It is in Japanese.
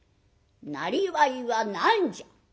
「なりわいは何じゃ？」。